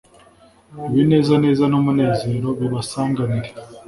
ibinezaneza n’umunezero bibasanganire,